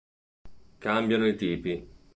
Cambiano i tipi.